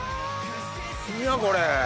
何やこれ！